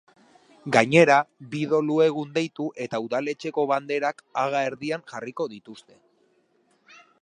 Gainera, bi dolu-egun deitu eta udaletxeko banderak haga erdian jarriko dituzte.